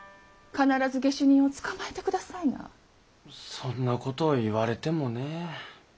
そんなことを言われてもねえ。